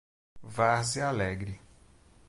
Várzea Alegre